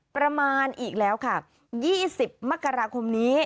ประมาณอีกแล้วค่ะ๒๐มกราคมนี้